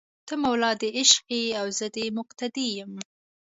ته مولا دې عشق یې او زه دې مقتدي یمه